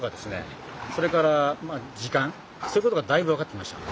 それから時間そういうことがだいぶ分かってきました。